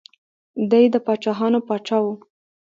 دی د پاچاهانو پاچا و.